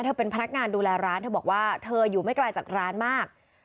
เธอเป็นพนักงานดูแลร้านเธอบอกว่าเธออยู่ไม่ไกลจากร้านมาก